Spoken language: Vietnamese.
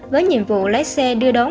với nhiệm vụ lái xe đưa đón